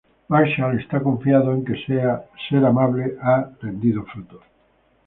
Marshall está confiado en que ser amable ha rendido frutos.